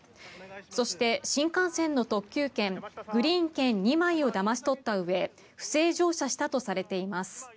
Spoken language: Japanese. そして、新幹線の特急券グリーン券２枚をだまし取ったうえ不正乗車したとされています。